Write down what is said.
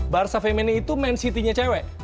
barsa femeni itu main city nya cewek